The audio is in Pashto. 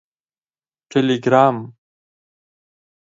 ټیلیګرام